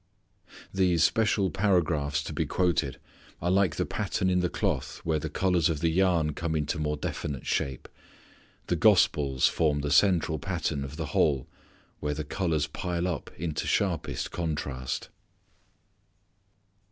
These special paragraphs to be quoted are like the pattern in the cloth where the colours of the yarn come into more definite shape. The gospels form the central pattern of the whole where the colours pile up into sharpest contrast.